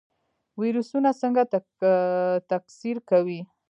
ویروسونه څنګه تکثیر کوي؟